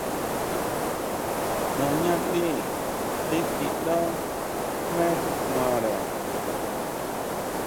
Nañá ndí tikjíʼndá jmé xi kuanre.